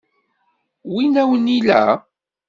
Wi awen-illa?